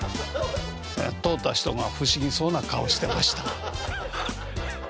通った人が不思議そうな顔してました。